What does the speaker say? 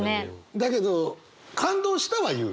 だけど「感動した」は言う？